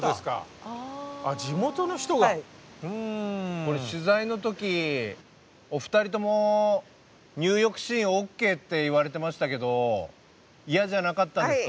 これ取材の時お二人とも「入浴シーンＯＫ」って言われてましたけど嫌じゃなかったんですか？